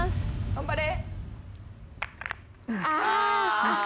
頑張れ。